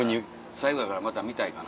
最後やからまた見たいかな。